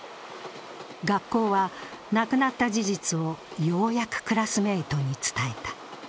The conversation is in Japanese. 学校は亡くなった事実をようやくクラスメートに伝えた。